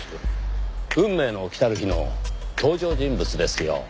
『運命の来たる日』の登場人物ですよ。